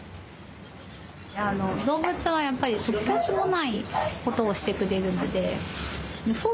動物はやっぱり突拍子もないことをしてくれるので予想